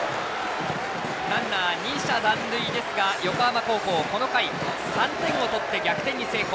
ランナー、２者残塁ですが横浜高校、この回３点を取って逆転に成功。